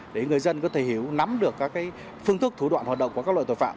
để người dân có thể hiểu nắm được các phương thức thủ đoạn hoạt động của các loại tội phạm